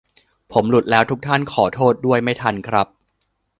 ผมหลุดแล้วทุกท่าน ขอโทษด้วย ไม่ทันครับ